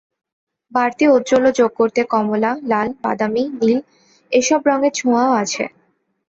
বাড়তি ঔজ্জ্বল্য যোগ করতে কমলা, লাল, বাদামি, নীল—এসব রঙের ছোঁয়াও আছে।